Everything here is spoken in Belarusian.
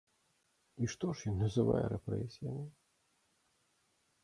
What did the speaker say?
І што ж ён называе рэпрэсіямі?